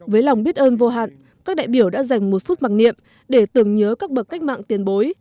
với lòng biết ơn vô hạn các đại biểu đã dành một phút mặc niệm để tưởng nhớ các bậc cách mạng tiền bối